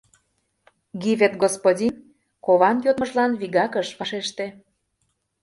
Гивет господин кован йодмыжлан вигак ыш вашеште.